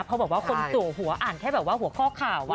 เพราะบอกว่าคนจัวหัวอ่านแค่แบบว่าหัวข้อข่าว